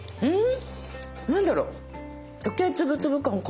うん。